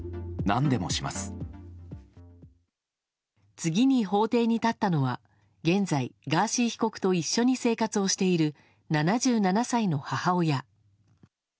次に法廷に立ったのは現在、ガーシー被告と一緒に生活をしている７７歳の母親。